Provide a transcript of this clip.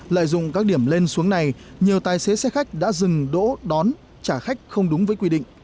lợi dụng các điểm lên xuống này nhiều tài xế xe khách đã dừng đỗ đón trả khách không đúng với quy định